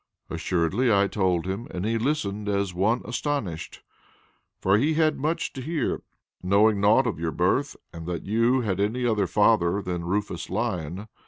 "Assuredly I told him, and he listened as one astonished. For he had much to hear, knowing naught of your birth, and that you had any other father than Rufus Lyon.